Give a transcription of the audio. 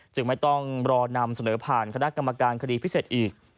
จึงไม่ต้องรอนำเสนอผ่านคณะกรรมการคดีพิเศษอีก